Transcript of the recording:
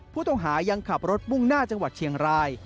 ผู้ต้องหายังขับรถมุ่งหน้าจังหวัดเชียงราย